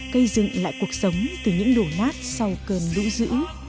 cây dựng lại cuộc sống từ những đổ nát sau cơn lũ dữ